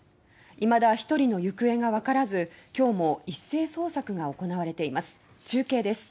いまだ１人の行方が分からず今日も一斉捜索が行われています。